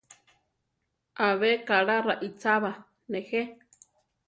Abe kaʼla raícha ba, néje?